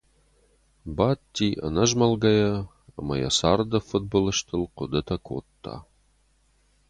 Бадти ӕнӕзмӕлгӕйӕ ӕмӕ йӕ царды фыдбылызтыл хъуыдытӕ кодта.